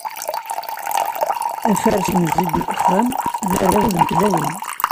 Afares n zzit deg uxxam, d armud n tlawin.